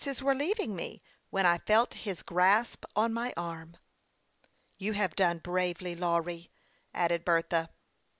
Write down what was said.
My senses were leaving me, when I felt his grasp on my arm." " You have done bravely, Lawry," added Bertha.